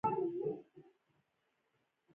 غږونه زړه ته امید ورکوي